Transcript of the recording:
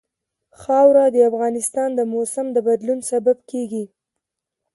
خاوره د افغانستان د موسم د بدلون سبب کېږي.